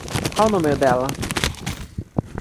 Qual o número dela?